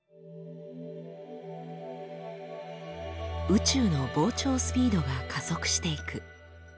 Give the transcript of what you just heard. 宇宙の膨張スピードが加速していく。